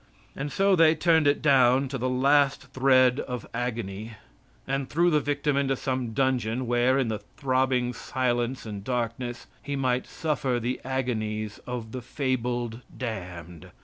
And so they turned it down to the last thread of agony, and threw the victim into some dungeon, where, in the throbbing silence and darkness, he might suffer the agonies of the fabled damned.